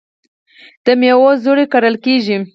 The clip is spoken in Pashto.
د میوو زړې کرل کیږي.